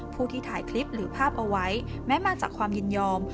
ผู้ที่ถ่ายคลิปหรือภาพเอาไว้แม้มาจากความยินยอม